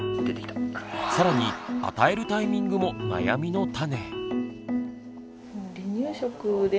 さらに与えるタイミングも悩みの種。